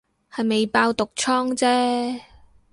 係未爆毒瘡姐